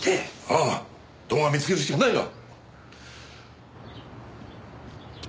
ああ動画を見つけるしかないな。